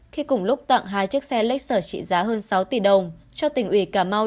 khi cùng lúc tặng hai chiếc xe lexus trị giá hơn sáu tỷ đồng cho tỉnh ủy cà mau